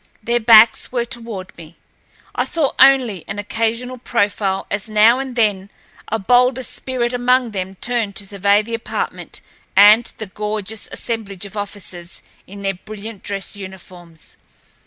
Their backs were toward me. I saw only an occasional profile as now and then a bolder spirit among them turned to survey the apartment and the gorgeous assemblage of officers in their brilliant dress uniforms.